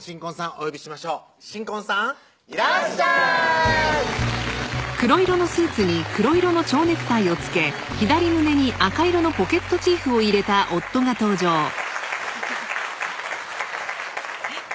お呼びしましょう新婚さんいらっしゃいえっ？